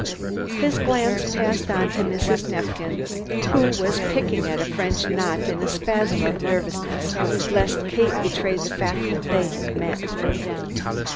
His glance passed on to Mrs. Neifkins, who was picking at a French knot in a spasm of nervousness lest Kate betray the fact that they had met.